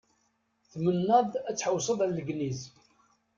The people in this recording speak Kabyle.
Tmennaḍ-d ad tḥewwseḍ ar Legniz.